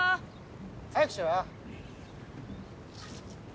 早くしろよ！